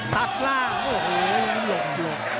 ตัดล่างโอ้โหเหลี่ยมหลบหลบ